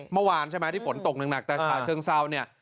ใช่มาหวานที่ฝนตกหนักแต่ฉาเชิงเสาเนี่ย